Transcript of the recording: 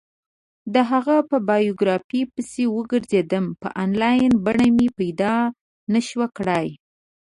د هغه په بایوګرافي پسې وگرځېدم، په انلاین بڼه مې پیدا نه شوه کړلی.